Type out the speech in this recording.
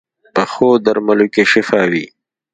پخو درملو کې شفا وي